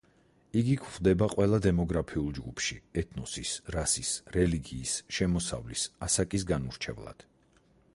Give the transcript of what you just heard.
იგი გვხვდება ყველა დემოგრაფიულ ჯგუფში, ეთნოსის, რასის, რელიგიის, შემოსავლის, ასაკის განურჩევლად.